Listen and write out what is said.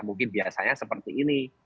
mungkin biasanya seperti ini